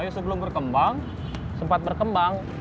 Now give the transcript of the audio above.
sebelum berkembang sempat berkembang